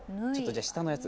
下のやつ。